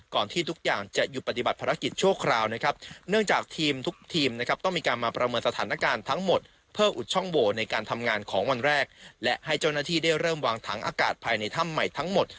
ที่ทุกอย่างจะหยุดปฏิบัติภารกิจชั่วคราวนะครับเนื่องจากทีมทุกทีมนะครับต้องมีการมาประเมินสถานการณ์ทั้งหมดเพื่ออุดช่องโหวในการทำงานของวันแรกและให้เจ้าหน้าที่ได้เริ่มวางถังอากาศภายในถ้ำใหม่ทั้งหมด